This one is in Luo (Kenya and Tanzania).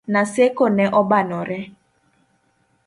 Naseko ne obanore